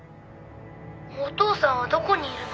「お父さんはどこにいるの？」